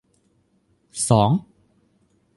สอง